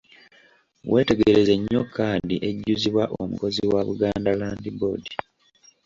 Weetegereze nnyo kkaadi ejjuzibwa omukozi wa Buganda Land Board.